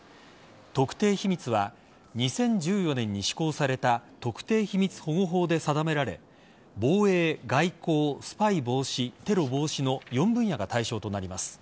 特定秘密は２０１４年に施行された特定秘密保護法で定められ防衛、外交スパイ防止、テロ防止の４分野が対象となります。